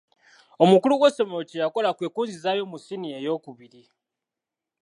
Omukulu w'essomero kye yakola kwe kunzizaayo mu siniya eyookubiri.